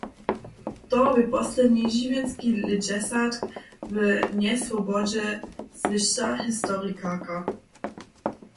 To bě posledni žiwjenski lětdźesatk w njeswobodźe, zwěsća historikarka.